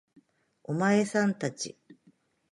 お前さん達